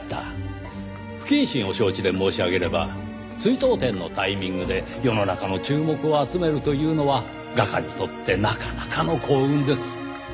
不謹慎を承知で申し上げれば追悼展のタイミングで世の中の注目を集めるというのは画家にとってなかなかの幸運です。